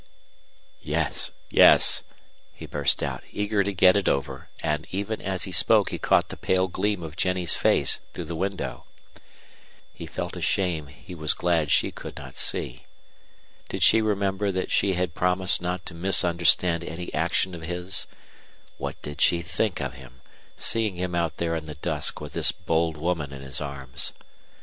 "Yes yes," he burst out, eager to get it over, and even as he spoke he caught the pale gleam of Jennie's face through the window. He felt a shame he was glad she could not see. Did she remember that she had promised not to misunderstand any action of his? What did she think of him, seeing him out there in the dusk with this bold woman in his arms?